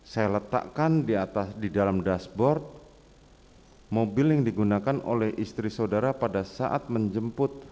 saya letakkan di atas di dalam dashboard mobil yang digunakan oleh istri saudara pada saat menjemput